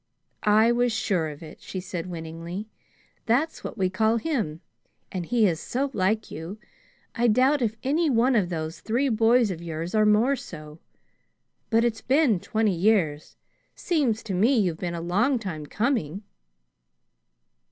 "I was sure of it," she said winningly. "That's what we call him, and he is so like you, I doubt if any one of those three boys of yours are more so. But it's been twenty years. Seems to me you've been a long time coming!"